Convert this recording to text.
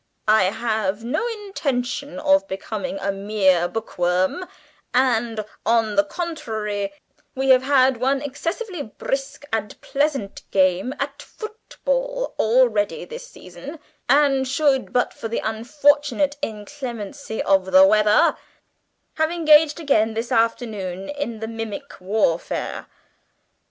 "I have no intention of becoming a mere bookworm, and, on the contrary, we have had one excessively brisk and pleasant game at football already this season, and should, but for the unfortunate inclemency of the weather, have engaged again this afternoon in the mimic warfare.